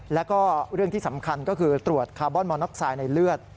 แล้วก็เรื่องที่สำคัญก็คือตรวจคาร์บอนมอน็อกไซด์ในเลือด